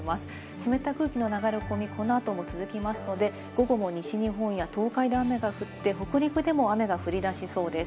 湿った空気の流れ込み、この後も続きますので、午後も西日本や東海で雨が降って北陸でも雨が降り出しそうです。